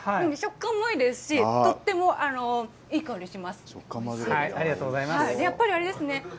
食感もいいですし、とってもいいありがとうございます。